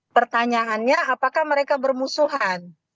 pertanyaannya apakah mereka bermusuhan